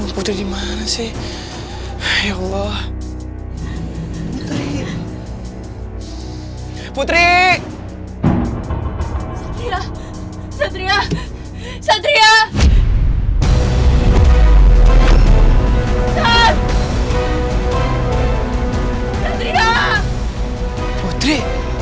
putih dimana sih ya allah putri putri